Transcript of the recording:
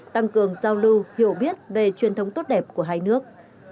tăng cường giao lưu hiểu biết về truyền thống tốt đẹp của hai nước